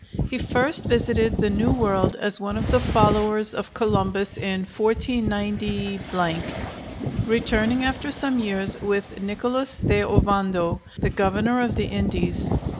He first visited the New World as one of the followers of Columbus in 149 , returning after some years with Nicholas de Ovando, the governor of the Indies.